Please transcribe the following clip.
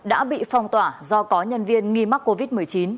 đã bị phong tỏa do có nhân viên nghi mắc covid một mươi chín